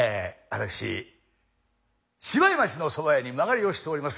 私芝居町のそば屋に間借りをしております